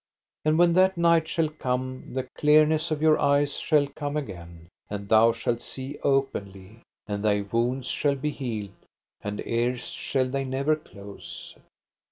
And when that knight shall come the clearness of your eyes shall come again, and thou shalt see openly, and thy wounds shall be healed, and erst shall they never close.